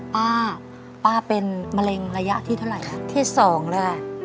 ป้าป้าเป็นมะเร็งระยะที่เท่าไหร่ครับที่สองเลยค่ะ